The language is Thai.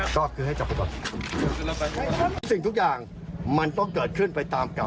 ก็คือให้จับไปก่อนสิ่งทุกอย่างมันต้องเกิดขึ้นไปตามกรรม